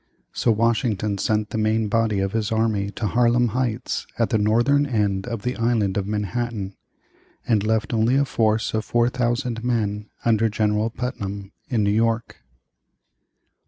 So Washington sent the main body of his army to Harlem Heights at the northern end of the Island of Manhattan, and left only a force of 4,000 men, under General Putnam, in New York.